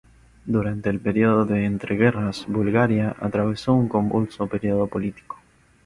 Durante el período de entreguerras, Bulgaria atravesó un convulso período político.